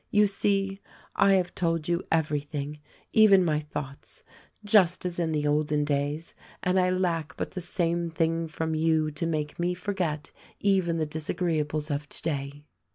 You see, I have told you everything — even my thoughts — just as in the olden days, and I lack but the same thing from you to make me forget even the disagreeables of today."